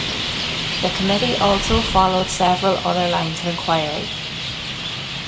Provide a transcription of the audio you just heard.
The committee also followed several other lines of inquiry.